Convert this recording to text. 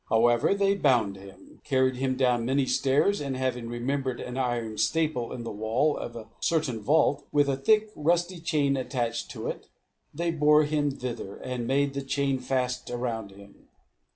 However, they bound him; carried him down many stairs, and, having remembered an iron staple in the wall of a certain vault, with a thick rusty chain attached to it, they bore him thither, and made the chain fast around him.